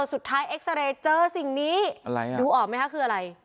สุดท้ายเอ็กซาเรย์เจอสิ่งนี้อะไรอ่ะดูออกไหมคะคืออะไร